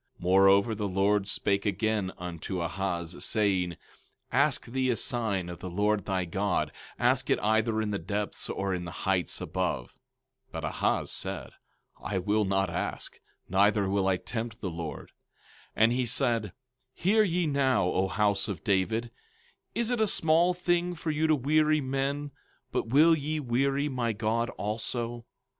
17:10 Moreover, the Lord spake again unto Ahaz, saying: 17:11 Ask thee a sign of the Lord thy God; ask it either in the depths, or in the heights above. 17:12 But Ahaz said: I will not ask, neither will I tempt the Lord. 17:13 And he said: Hear ye now, O house of David; is it a small thing for you to weary men, but will ye weary my God also?